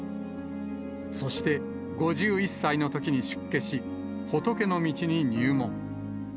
そして５１歳のときに出家し、仏の道に入門。